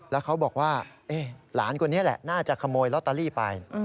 แล้วเขาบอกว่าหลานคนนี้แหละน่าจะขโมยลอตเตอรี่ไป